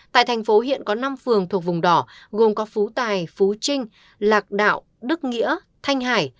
tại thành phố hiện có năm phường thuộc vùng đỏ gồm có phú tài phú trinh lạc đạo đức nghĩa thanh hải